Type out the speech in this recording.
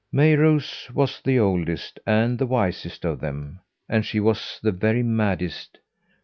Mayrose was the oldest and the wisest of them, and she was the very maddest.